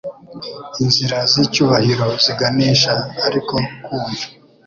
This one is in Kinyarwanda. Inzira z'icyubahiro ziganisha ariko ku mva.